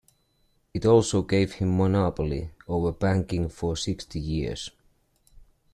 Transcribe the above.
It also gave him monopoly over banking for sixty years.